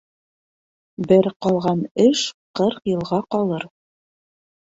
Бер ҡалған эш ҡырҡ йылға ҡалыр.